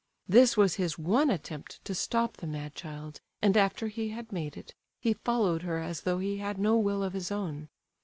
This was his one attempt to stop the mad child, and, after he had made it, he followed her as though he had no will of his own.